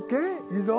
いいぞ！